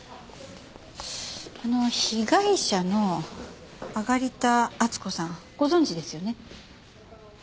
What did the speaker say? あの被害者の揚田温子さんご存じですよね？